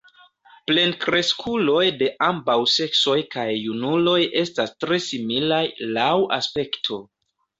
Plenkreskuloj de ambaŭ seksoj kaj junuloj estas tre similaj laŭ aspekto.